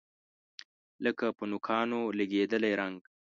لکه په نوکانو لګیدلی رنګ